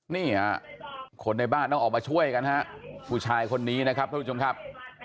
นี่ฮะคนในบ้านต้องออกมาช่วยกันฮะผู้ชายคนนี้นะครับท่านผู้ชมครับ